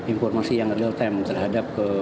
informasi yang real time terhadap